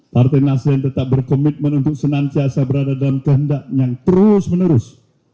partai nasdem tetap berkomitmen untuk senantiasa berada dalam kehendak yang terus menerus